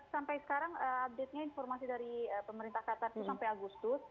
sampai sekarang update nya informasi dari pemerintah qatar itu sampai agustus